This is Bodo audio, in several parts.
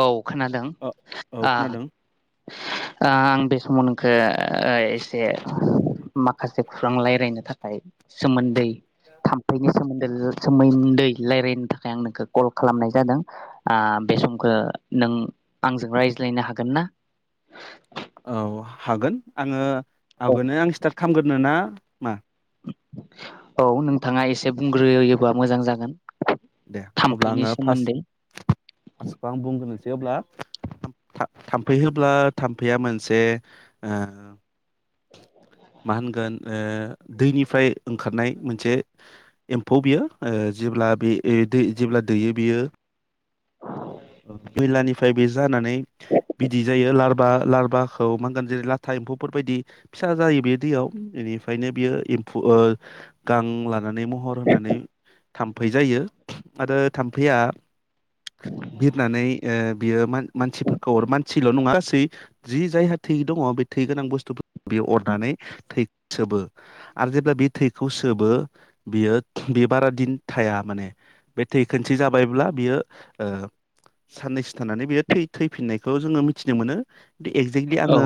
औ खोनादों औ औ आ खोनादों आं बे सममोनखो एसे माखासे खौरां रायज्लायनो थाखाय सोमोन्दै थाम्फैनि सोमोन्दै सोमोन्दै रायजलायनो थाखाय आं नोंखौ कल खालामनाय जादों बे समखो नों आंजों रायज्लायनो हागोन ना औ हागोन आङो आवगोनो आं स्टार्ट खालामग्रोनो ना मा औ नोंथाङा एसे बुंग्रोयोबा मोजां जागोन दे अब्ला थाम्फैनि आङो सोमोन्दै फार्स्ट फार्स्टाव आं बुंग्रोनोसै अब्ला थाम्फै होब्ला थाम्फैया मोनसे ओ मा ओ होनगोन दैनिफ्राय ओंखारनाय मोनसे एम्फौ बियो जेब्ला बे दै जेब्ला दैयो बेयो बेलानिफ्राय बे जानानै बिदै जायो लारबा लारबाखौ मा होनगोन जेरै लाथा एम्फौफोरबायायदि फिसा जायो बे दैयाव बेनिफ्रायनो बियो एम्फौ गां ला नानै महर होनानै थाम्फै जायो आरो थाम्फैया बिरनानै बियो मानसिफोरखौ मानसिल' नङा गासै जि जायहा थै दङ बे थै गोनां बुस्थु बियो अरनानै थै सोबो आरो जेब्ला बे थैखौ सोबो बियो बे बारा दिन थाया माने बे थै खोनसे जाबायब्ला बियो साननैसो थानानै बेयो थै थैफिननायखौ जोङो मिथिनो मोनो एक्जेक्टलि औ आङो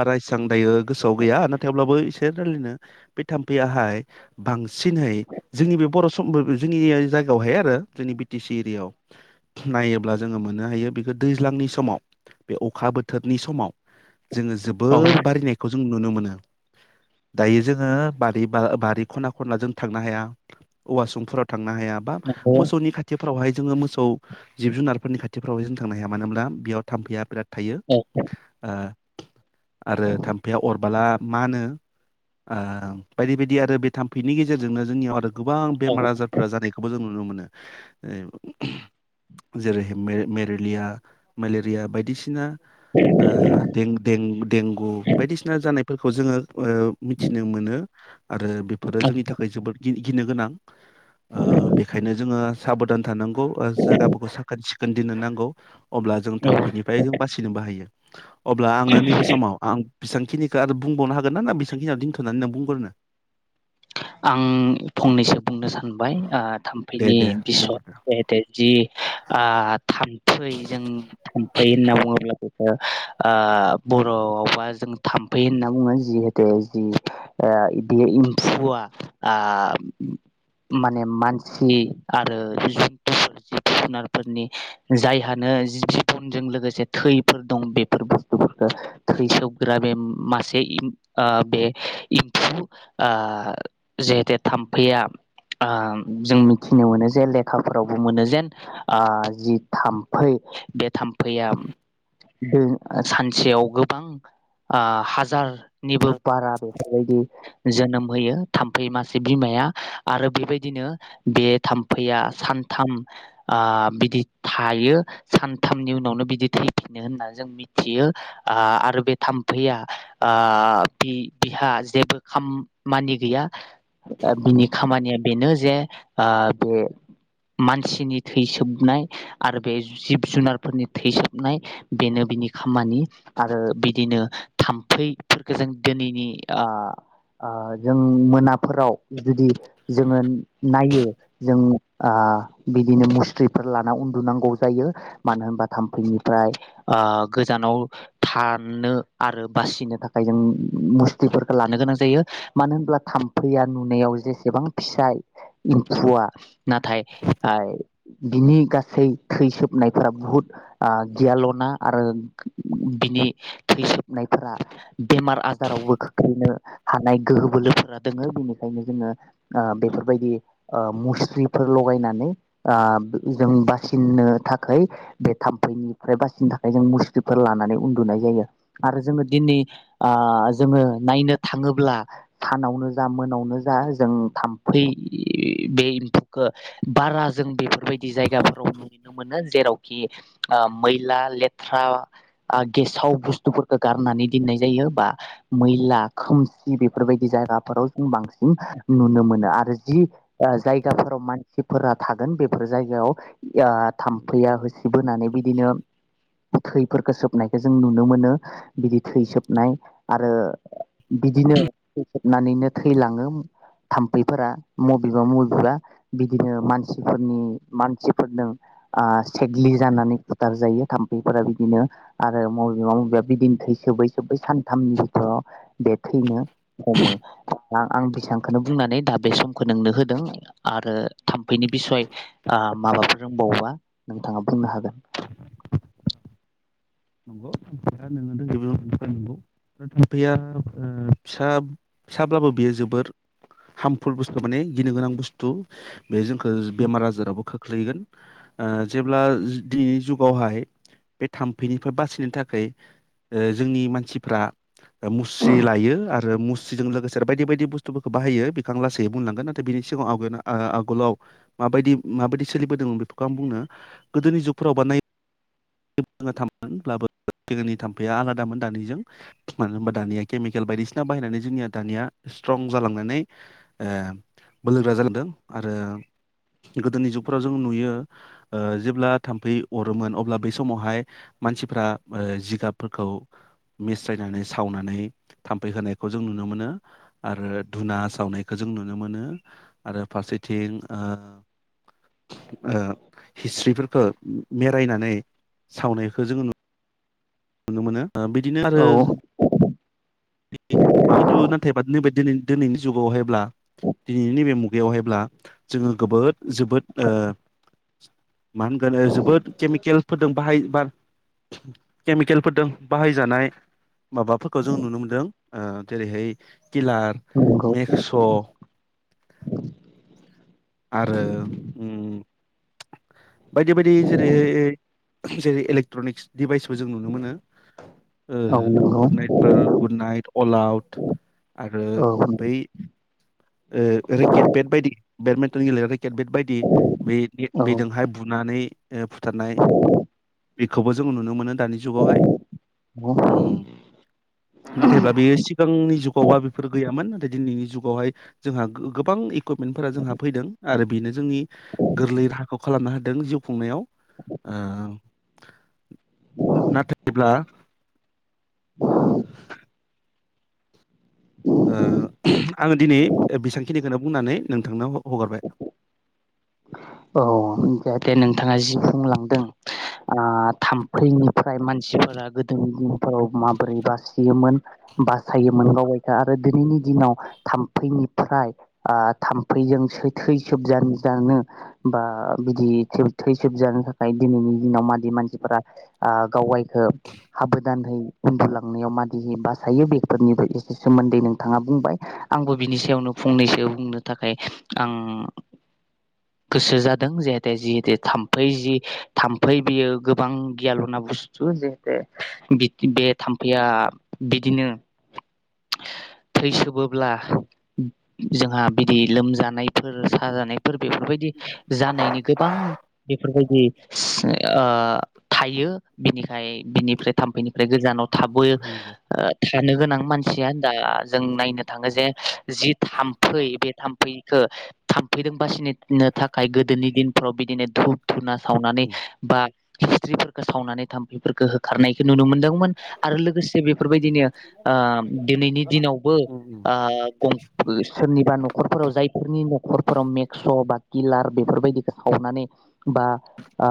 बारा सां दायो गोसोआव गैया थेवब्लाबो [unintelligible] बे थाम्फैयाहाय बांसिनहै जोंनि बे बर' सम जोंनि जायगायावहाय आरो जोंनि बि टि सि एरियायाव नायोब्ला जोङो मोननो हायो बेखौ दैज्लांनि समाव बे अखा बोथोरनि समाव जोङो औ जोबोर बारायनायखौ जों नुनो मोनो दायो जोङो बारि ब बारि खना खनला जों थांनो हाया औवा संमफोराव थां ना हायाबा नंगौ मोसौनि खाथिआव फोरावहाय जोङो मोसौ जिब जुनारफोरनि खाथिफ्राव जों थांनो हाया मानो होनब्ला बेयाव थाम्फैया बिराद थायो औ ओ आरो थाम्फैया अरबोलाब मा होनो ओ बायदि बायदि आरो बे थाम्फैनि गेजेरजोंनो जोंनियाव गोबां बेमार औ आजारफोरा जानायखौबो जों नुनो मोनो। ऐम जेरै हा मेर मेलेरिया मेलेरिया बायदिसिना ओ दें- दें देंगु बायदिसिना जानाय फोरखौ जोङो ओ मिथिनो मोनो आरो बेफोरो जोंनि थाखाय जोबोद गि गिनो गोनां। ओ बेखायनो जोङो साबधान थानांगौ ओ जागाफोरखौ साखोन सिखोन दोननो नांगौ। अब्ला जों औ थाम्फैनिफ्राय जों बासिनो बाहायो। अब्ला आङो नैबे समाव आं बेसांखिनिखो आरो बुंबावनो हागोन ना ना बेसांखिनियावनो दोनथ'नानै नों बुंग्रोनो? आं फंनैसो बुंनो सानबाय ओ दे थाम्फैनि दे बिस' बुंग्रोदो जेहेते जि ओ थाम फै जों थाम्फै होनना बुङोब्ला बिदिनो ओ बर'आवबा जों थाम्फै होनना बुङो जिहेथु जि ओ इदि इन फुवा ओ माने मानसि आरो जिब [unintelligible] जुनारफोरनि जायहानो जिबनजों लोगोसे थैफोर दं बेफोर बुस्थुफोरखौ थै सोबग्रा बे मासे एम्फ ओ बे एम्फौ ओ जिहेते थाम्फैया ओम जों मिथिनो मोनो जे लेखाफोरावबो मोनो जे ओ जि थाम्फै बे थाम्फैया दों सानसेयाव गोबां ओ हाजार निबो बारा बेफोरबायदि जोनोम होयो थाम्फै मासे बिमाया आरो बेबायदिनो बे थाम्फैया सानथाम ओ बिदि थायो सानथामनि उनावनो बिदि थैफिनो होननानै जों मिथियो ओ आरो बे थाम्फैया ओ बि बिहा जेबो खाम मानि गैया बिनि खामानिया बेनो जे ओ बे मानसिनि थैसोबनाय आरो बे जिब जुनारफोरनि थैसोबनाय बेनो बिनि खामानि आरो बिदिनो थाम्फैफोरखौ जों दिनैनि ओ ओ जों मोनाफोराव जुदि जोङो नायो जों ओ बिदिनो मुस्रिफोर लाना उन्दुनांगौ जायो मानो होनबा थाम्फैनिफ्राय ओ गोजानाव थानो आरो बासिनो थाखाय जों मुस्रिफोरखो लानो गोनां जायो मानो होनब्ला थाम्फैया नुनायाव जेसेबां फिसाय एम्फौआ नाथाय आइ बिनि गासै थै सोबनायफोरा बुहुद ओ गियालना आरो बिनि थै सोबनायफोरा बेमार आजारावबो खोख्लैनो हानाय गोहो बोलोफोरा दोङो बेनिखायनो जोङो ओ बेफोरबायदि ओ मुस्रिफोर लगायनानै ओ जों बासिनो थाखाय बे थाम्फैनिफ्राय बासिनो थाखाय जों मुस्रिफोर लानानै उन्दुनाय जायो आरो जोङो दिनै ओ जोङो नायनो थाङोब्ला सानावबो जा मोनायावबो जा जों थान्दै बे एम्फौखौ बारा जों बेफोरबा दि जायगाफोराव नुनो मोनो जेराव खि ओ मैला लेथ्रा ओ गेसाव बुस्थुफोरखौ गारनानै दिननाय जायो बा मैला खोमसि बेफोरबायदि जायगाफोराव जों बांसिन नुनो मोनो आरो जि ओ जायगाफोराव मानसिफोरा थागोन बेफोर जायगायाव या थाम्फैया होसोबोनानै बिदिनो थैफोरखौ सोबनायखौ जों नुनो मोनो बिदि थै सोबनाय आरो ओ बिदिनो [unintelligible] नानैनो थैलाङो थाम्फैफोरा मबेबा मबेबा बिदिनो मानसिफोरनि मानसिफोरजों आ सेग्लि जानानै खुथार जायो थाम्फैफोरा बिदिनो आरो मबेबा मबेबा बिदिनो थै सोबै सोबै सानथामनि सिमाव बे थैनो हमो। दा आं बेसेबांखौनो बुंनानै दा बे समखौ नोंनो होदों आरो थाम्फैनि बिसय आ माबाफोर रोंबायोबा नोंथाङा बुंनो हागोन। [unintelligible] नंगौ हार्मफेदा नोङो दोनजोबो ओमफ्राय नंगौ दा थाम्फैया ओयो फिसा फिसाब्लाबो बियो जोबोर हार्मफुल बुस्थु माने गिनो गोनां बुस्थु। बे जोंखौ बेमार आजारावबो खो ख्लैगोन ओ जेब्ला जुदि जुगावहाय बे थाम बिनिफ्राय बासिनो थाखाय ओ जोंनि मानसिफ्रा मुस्रि लायो आरो [unintelligible] [unintelligible] लोगोसार बायदि बायदि बुस्थुफोरखौ बाहायो बेखौ आं लासै बुंलांगोन नाथाय बिनि सिगाङाव आवगायना आ -आगलाव माबायदि माबायदि सोलिबोदोंमोन बेफोरखौ आं बुंनो गोदोनि जुगफोराव बा [unintelligible] आंना थाममोन फालाबो-बो गोदोनि थाम्फैया आलादामोन दानिजों मानो होनबा दानिया केमिकेल बायदिसिना बाहायनानै जोंनिया दानिया सिथ्रं जालांनानै ओम बोलोगोरा जाग्रोदों आरो गोदोनि जुगफ्राव जों नुयो। ओ जेब्ला थाम्फै अरोमोन अब्ला बे समावहाय मानसिफ्रा ओ जिगाबफोरखौ मिस्रायनानै सावनानै थाम्फै होनायखौ जों नुनो मोनो आरो धुना सावनायखौ जों नुनो मोनो आरो फारसेथिं ओ ओ हिस्ट्रिफोरखौ मेरायनानै सावनायखौ जोङो [unintelligible] नुनो मोनो। ओ बिदिनो आरो औ [unintelligible] [unintelligible] [unintelligible] ओ जेरैहाय किलार नंगौ मेक्स' आरो उम बायदि- बायदि जेरैहाय जेरै इलेक्ट्रनिक्स डिभाइसबो जों नुनो मोनो। ओ औ नंगौ गुद नाइदफोर गुद नाइद। अलाउट। आरो औ बै ओ रेकेट बेट बायदि बेडमिन्टन गेलेग्रानि केट बेट बायदि। बे औ बेद-बेदोंहाय बुनानै ओ फुथारनाय बिखौबो जों नुनो मोनो दानि जुगावहाय औ उम नाथायब्ला बे सिगांनि जुगावबा बेफोर गैयामोन नाथाय दिनैनि जुगावहाय जोंहा गो-गोबां इकुमेनटफोरा जोंहा फैदों आरो बेनो जोंनि गोरलै राहाखौ खालामना होदों जिउ खुंनायाव ओ नाथायब्ला [unintelligible] ओ आङो दिनै बि-बिसेबांखिनिखौनो बुंनानै नोंथांनो ह-हगारबाय। औ जाहाथे नोंथाङा जि बुंलांदों। ओ थामफैनि [unintelligible] मानसिफोरा गोदोनि दिनाव [unintelligible] माबोरै बासियोमोन। बासायोमोन गावबायखा आरो दिनैनि दिनाव थाम्फैनिफ्राय थाम्फै जोंसो थै सोब जा-जानो बा बिदि थै सोबजानो थाखाय दिनैनि दिनाव मादि मानसिफोरा गावगायखौ हाबोदानहै उन्दुलांनायाव मादि बासायो बेफोरनि एसे सोमोन्दै नोंथाङा बुंबाय आंबो बिनि सायावनो फंनैसो बुंनो थाखाय आं गोसो जादों जेहेते जिहेतु थाम्फै जि थाम्फै बेयो गोबां गियाल'ना बुस्थु जेहेते बे थाम्फैया बिदिनो थैसोबोब्ला जोंहा बिदि लोमजानाय [unintelligible] साजानायफोर बेफोरबायदि जानायनि गोबां बेफोरबायदि आ थायो बिनिखाय बिनिफ्राय थाम्फैनिफ्राय गोजानाव थाबयो मा होनो बे थानो गोनां मानसि [unintelligible] जों नायनो थाङो जे जि थाम्फै बे [unintelligible] बिखो थामफैदों बासिनो थाखाय गोदोनि दिन [unintelligible] बिदिनो धुप धुना सावनानै उम बा हिस्रिफोरखौ सावनानै थाम्फैफोरखौ होखारनायखौ नुनो मोन दोंमोन आरो लोगोसे बेफोरबायदिनो ओ दिनैनि दिनावबो उम ओ गं सोरनिबा न'खरफोराव जायफोरनि न'खरफोराव मेक्स' बा किलार बेफोरबायदि सावनानै बा ओ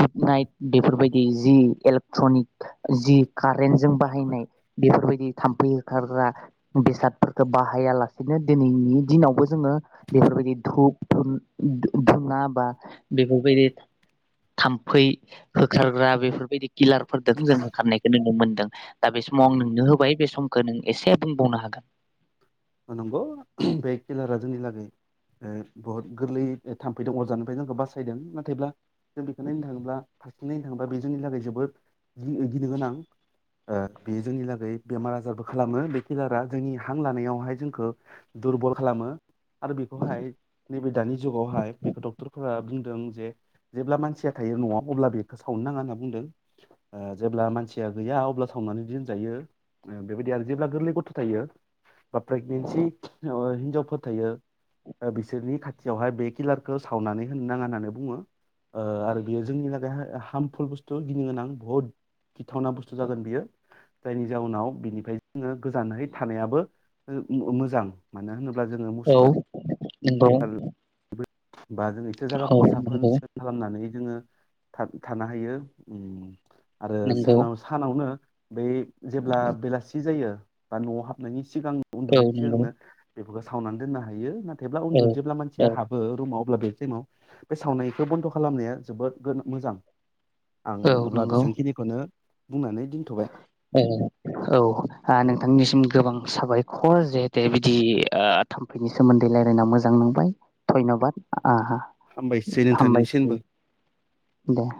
गुड नाइट बेफोरबायदि जि इलेक्ट्रनिक जि कारेन्ट जों बाहायनाय बेफोरबायदि फै होखारग्रा बेसादफोरखो बाहाया लासेनो दिनैनि दिनावबो जोङो बेफोरबायदि धुप [unintelligible] धुना बा बेफोरबायदि थाम्फै होखारग्रा बेफोरबायदि किलारफोरदों जों होखारनायखौ नुनो मोनदों दा बे समाव आं उम नोंनो होबाय बे सम एसे बुंबावनो हागोन नंगौ बे किलारा जोंंनि लागै ओ बुहुत गोरलै थाम्फैदों अरजानिफ्राय जोंखौ बासायदों नाथायब्ला जों बेखौ नायनो थाङोब्ला नायनो थाङोबा बे जोंनि लागै जोबोद गि-गिनो गोनां ओ बे जोंनि लागै बेमार आजारबो खालामो बे किलारा जोंनि हां लानायावहाय जोंखौ दुरबल खालामो आरो बेखौहाय नैबे दानि जुगावहाय बेखौ डक्टरफोरा बुं दोंजे जेब्ला मानसिया थायो न'आव अब्ला बेखौ सावनो नाङा होनना बुंदों ओ जेब्ला मानसिया गैया अब्ला सावनानै दोनजायो बेबायदि आरो जेब्ला गोरलै गथ' थायो बा प्रेगनेन्सि ओ हिनजावफोर थायो बिसोरनि खाथियावहाय बे किलारखौ सावनानै होनो नाङा होननानै बुङो ओ आरो बेयो जोंनि थाखाय हार्मफुल बुस्थु गिनो गोनां बुहुद गिथावना बुस्थु जागोन बियो जायनि जाउनाव बिनिफ्राय जोङो गोजानहै थानायाबो मो-मोजां मानो होनो ब्ला जोङो औ मुस्रि था नंगौ बा जों एसे औ जायगाफोरखौ साखोन नंगौ सिखोन खालामनानै जोङो थाब थानो हायो। ओम आरो नंगौ सानाव सानावनो बै जेब्ला बेलासि जायो बा न'आव हाबनायनि सिगां औ उन्दुनायनि नंगौ सिगांनो बेफोरखौ सावनानै दोननो हायो नाथाय ब्ला उन्दु औ जेब्ला मानसिया हाबो रुमाव अब्ला बे टाइमाव बे सावनायखौ बन्द' खालामनाया जोबोद गो मोजां। आं अब्ला बेसांखिनिखौनो बुंनानै दोनथ'बाय ए औ आ नोंथांनिसिम गोबां साबाय [unintelligible] बिदि थाम्फैनि सोमोन्दै रायलायना मोजां नांबाय धन्यबाद। आ हा हामबायसै नोंथांनिसिमबो हामबायसै दे। [inaudible]